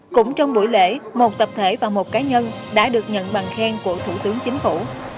cũng trong buổi lễ một tập thể và một cá nhân đã được nhận bằng khen của thủ tướng chính phủ